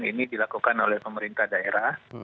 yang dianggap oleh pemerintah daerah